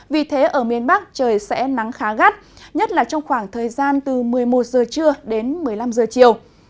vì thế ở miền bắc trời sẽ nắng khá gắt nhất là trong khoảng thời gian từ một mươi một giờ trưa đến một mươi năm h chiều